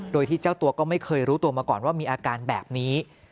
โดยที่เจ้าตัวก็ไม่เคยรู้ตัวมาก่อนว่ามีอาการแบบนี้